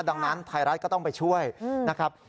ดังนั้นไทยรัฐก็ต้องไปช่วยนะครับ